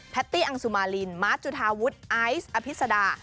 แพตตี้อังสุมารินมาสจุธาวุทธ์ไอซ์อภิษฎา